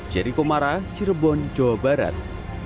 jerry komara cirebon jawa barat